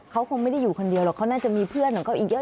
เขาคงไม่ได้อยู่คนเดียวหรอกเขาน่าจะมีเพื่อนของเขาอีกเยอะ